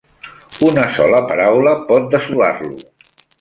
Una sola paraula pot dessolar-lo